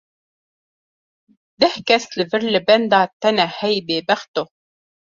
Deh kes li vir li benda te ne hey bêbexto.